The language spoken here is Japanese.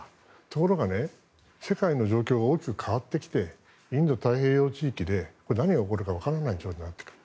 ところが、世界の状況が大きく変わってきてインド太平洋地域で何が起こるかわからない状況になってきた。